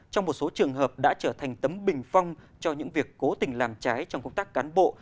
trong một số trường hợp đã trở thành tấm bình phong cho những việc cố tình làm trái trong công tác cán bộ